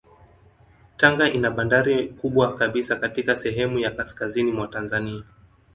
Tanga ina bandari kubwa kabisa katika sehemu ya kaskazini mwa Tanzania.